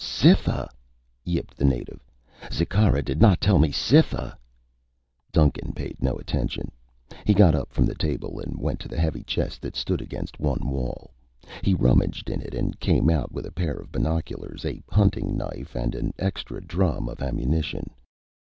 "Cytha!" yipped the native. "Zikkara did not tell me Cytha!" Duncan paid no attention. He got up from the table and went to the heavy chest that stood against one wall. He rummaged in it and came out with a pair of binoculars, a hunting knife and an extra drum of ammunition.